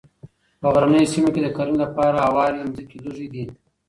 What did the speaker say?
په غرنیو سیمو کې د کرنې لپاره هوارې مځکې لږې دي.